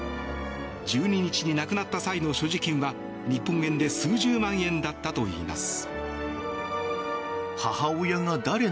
１２日に亡くなった際の所持金は日本円で数十万円だったといいます。